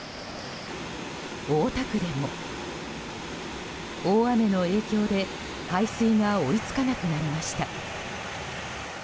大田区でも、大雨の影響で排水が追い付かなくなりました。